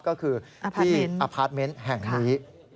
ก็คือที่อพาร์ทเมนต์แห่งนี้